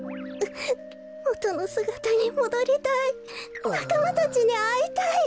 もとのすがたにもどりたいなかまたちにあいたい。